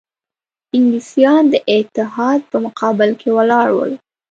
انګلیسیان د اتحاد په مقابل کې ولاړ ول.